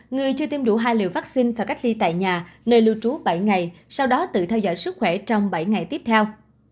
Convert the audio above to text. người chưa tiêm đủ hai liều vaccine và cách ly tại nhà nơi lưu trú bảy ngày sau đó tự theo dõi sức khỏe trong bảy ngày tiếp theo